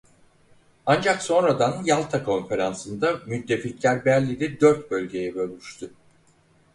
Ancak sonradan Yalta Konferansı'nda Müttefikler Berlin'i dört bölgeye bölmüştü.